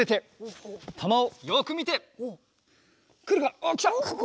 あっきた！